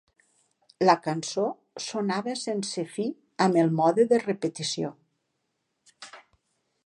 La cançó sonava sense fi amb el mode de repetició.